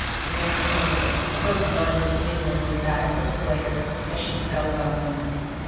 Next moment her blood was mingling with that of her slayer as she fell above him.